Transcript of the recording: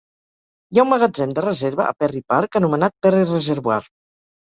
Hi ha un magatzem de reserva a Perry Park anomenat Perry Reservoir.